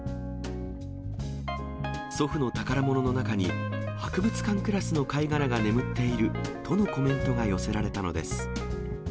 祖父の宝物の中に、博物館クラスの貝殻が眠っているとのコメントが寄せられたのです。